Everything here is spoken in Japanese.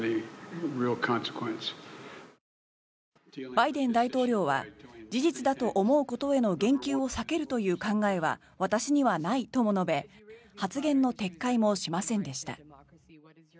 バイデン大統領は事実だと思うことへの言及を避けるという考えは私にはないとも述べ発言の撤回もしませんでした。